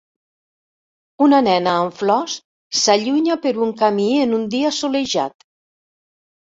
Una nena amb flors s'allunya per un camí en un dia solejat.